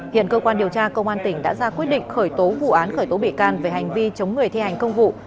hiện cơ quan điều tra công an tỉnh đã ra quyết định khởi tố vụ án khởi tố bị can về hành vi chống người thi hành công vụ